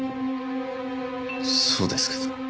そうですけど。